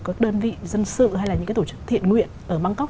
các đơn vị dân sự hay là những cái tổ chức thiện nguyện ở bangkok